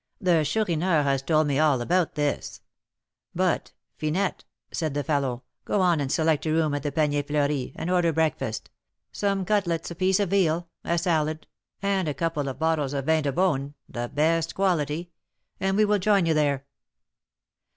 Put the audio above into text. The Chourineur has told me all about this. But, Finette," said the fellow, "go and select a room at the Panier Fleuri, and order breakfast, some cutlets, a piece of veal, a salad, and a couple of bottles of vin de beaune, the best quality, and we will join you there."